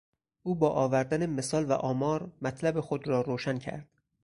او با آوردن مثال و آمار مطلب خود را روشن کرد.